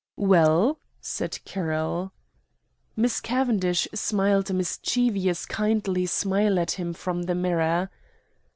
"Well?" said Carroll. Miss Cavendish smiled a mischievous kindly smile at him from the mirror.